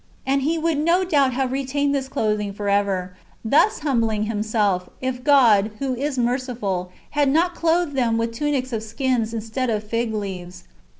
And he would no doubt have retained this clothing for ever, thus humbUng himself, if God, who is merciful, had not clothed them with tunics of skins instead of fig leaves.